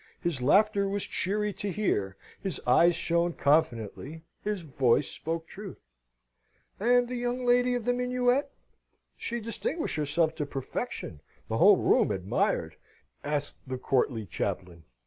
His laughter was cheery to hear: his eyes shone confidently: his voice spoke truth. "And the young lady of the minuet? She distinguished herself to perfection: the whole room admired," asked the courtly chaplain.